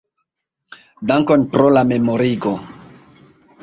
Dankon pro la memorigo.